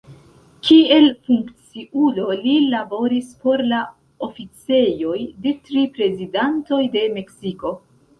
Kiel funkciulo li laboris por la oficejoj de tri Prezidantoj de Meksiko.